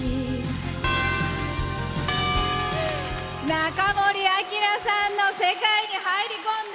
中森明菜さんの世界に入り込んで。